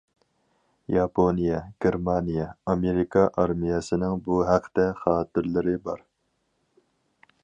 ياپونىيە، گېرمانىيە، ئامېرىكا ئارمىيەسىنىڭ بۇ ھەقتە خاتىرىلىرى بار.